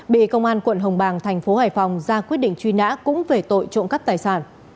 bị công an quận hồng bàng tp hải phòng ra quyết định truy nã cũng về tội trộn cắt tài sản